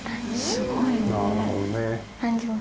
すごいね。